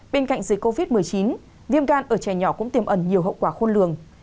bên cạnh dịch covid một mươi chín viêm gan ở trẻ nhỏ cũng tiềm ẩn nhiều hậu quả khôn lường